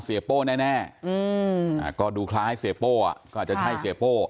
เซโป้แน่แน่อืมอ่าก็ดูคล้าให้เซโป้อ่ะก็อาจจะให้เซโป้